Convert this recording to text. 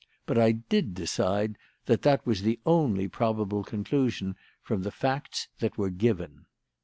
But I did decide that that was the only probable conclusion from the facts that were given.